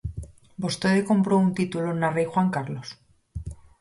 ¿Vostede comprou un título na Rei Juan Carlos?